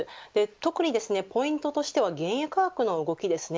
特にポイントとしては原油価格の動きですね